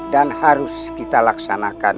dan harus kita laksanakan